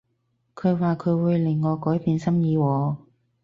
佢話佢會令我改變心意喎